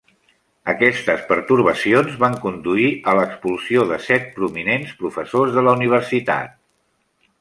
Aquestes pertorbacions van conduir a l'expulsió de set prominents professors de la universitat.